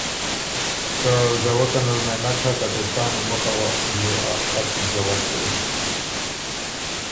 که زوَکن ال مېن نک هۀ که ته څان ای مُخه وه بيې ا اصِل جوت دوک۔